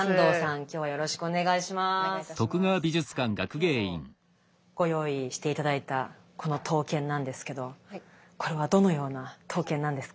今日ご用意して頂いたこの刀剣なんですけどこれはどのような刀剣なんですか？